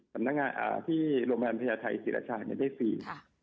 โรงพยาบาลพญาไทยศรีรชาติได้ฟรี